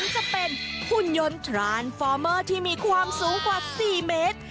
จะเป็นหุ่นยนต์ทรานฟอร์เมอร์ที่มีความสูงกว่า๔เมตร